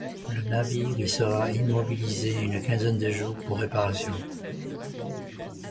Le navire y sera immobilisé une quinzaine de jours pour réparations.